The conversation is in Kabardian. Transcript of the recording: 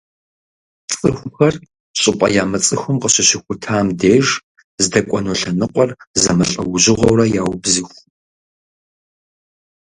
ЦӀыхухэр щӀыпӀэ ямыцӀыхум къыщыщыхутам деж здэкӀуэну лъэныкъуэр зэмылӀэужьыгъуэурэ яубзыху.